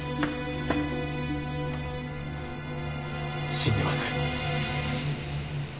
死んでます。